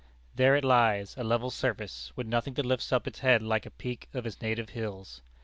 There it lies, a level surface, with nothing that lifts up its head like a peak of his native hills.